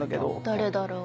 誰だろう？